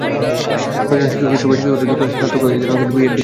নয়জন শিক্ষকের সবারই শিক্ষাগত যোগ্যতা স্নাতক, যাঁদের অনেকেরই আছে বিএড ডিগ্রি।